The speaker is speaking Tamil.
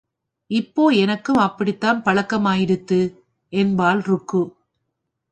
இப்போ எனக்கும் அப்படித்தான் பழக்கமாயிடுத்து என்பாள் ருக்கு.